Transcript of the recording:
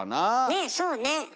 ねえそうね。